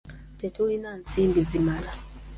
Tetulina nsimbi zimala.